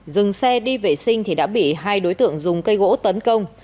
dừng xe đi vệ sinh thì đã bị hai đối tượng dùng cây gỗ tấn công